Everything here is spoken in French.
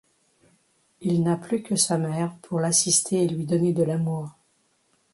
Il n'a plus que sa mère pour l'assister et lui donner de l'amour.